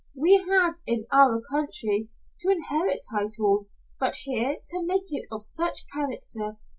We have, in our country, to inherit title, but here to make it of such character.